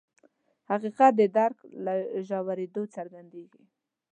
حقیقت د درک له ژورېدو څرګندېږي.